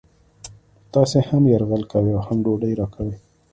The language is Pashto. تاسې هم یرغل کوئ او هم ډوډۍ راکوئ